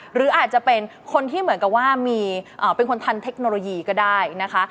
หรืออาจจะเป็นคนที่เหมือนกับว่ามีเป็นคนทันเทคโนโลยีก็ได้นะคะ